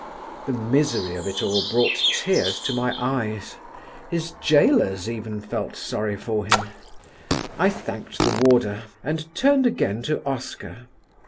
The misery of it all brought tears to my eyes: his gaolers even felt sorry for him. I thanked the warder and turned again to Oscar.